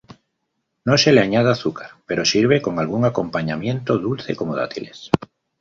No se le añade azúcar, pero sirve con algún acompañamiento dulce, como dátiles.